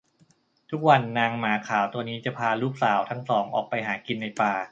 ทุกวันนางหมาขาวตัวนี้จะพาลูกสาวทั้งสองออกไปหากินในป่า